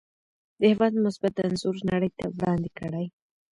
د هېواد مثبت انځور نړۍ ته وړاندې کړئ.